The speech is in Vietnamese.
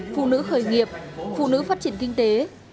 phụ nữ khởi nghiệp phụ nữ phát triển kinh tế